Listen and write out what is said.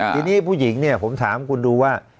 ทีนี้ผู้หญิงเนี่ยผมถามคุณดูว่า